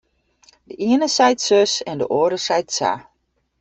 De iene seit sus en de oare seit sa.